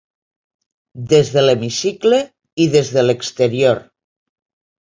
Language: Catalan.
Des de l’hemicicle i des de l’exterior.